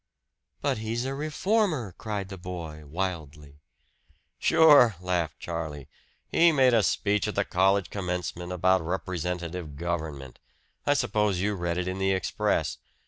"But he's a reformer!" cried the boy wildly. "Sure!" laughed Charlie. "He made a speech at the college commencement about representative government; I suppose you read it in the Express.